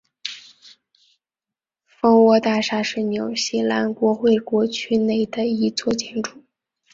蜂窝大厦是纽西兰国会园区内的一座建筑。